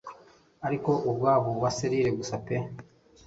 Ariko umwobo wa selire gusa pe